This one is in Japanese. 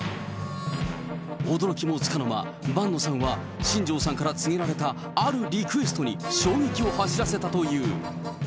驚きもつかの間、伴野さんは、新庄さんから告げられたあるリクエストに衝撃を走らせたという。